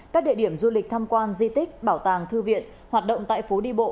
các địa điểm du lịch tham quan di tích bảo tàng thư viện hoạt động tại phố đi bộ